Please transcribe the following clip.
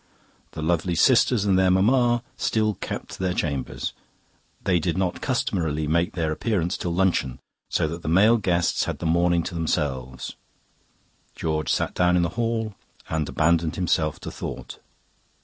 The lovely sisters and their mamma still kept their chambers; they did not customarily make their appearance till luncheon, so that the male guests had the morning to themselves. George sat down in the hall and abandoned himself to thought.